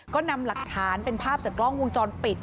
ก็นำหลักฐานเป็นภาพจากกล้องวงจรปิด